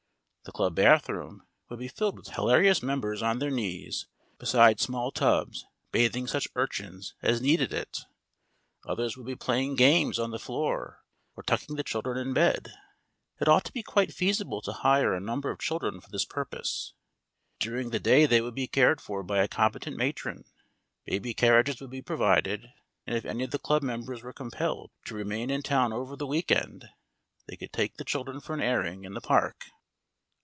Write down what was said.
The club bathroom would be filled with hilarious members on their knees beside small tubs, bathing such urchins as needed it. Others would be playing games on the floor, or tucking the children in bed. It ought to be quite feasible to hire a number of children for this purpose. During the day they would be cared for by a competent matron. Baby carriages would be provided, and if any of the club members were compelled to remain in town over the week end they could take the children for an airing in the park.